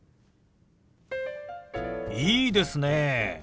いいですね。